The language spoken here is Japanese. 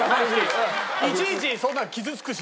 いちいちそんなの傷つくし。